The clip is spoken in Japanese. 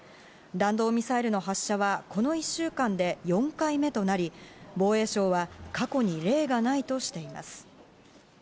弾道ミサイルの発射はこの１週間で４回目となり、防衛省は、過去に例がないとしています。